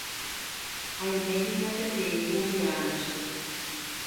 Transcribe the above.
Aimehína peteĩ cumpleaños-hápe